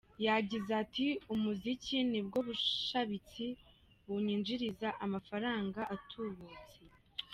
Yagize ati “Umuziki nibwo bushabitsi bunyinjiriza amafaranga atuburutse.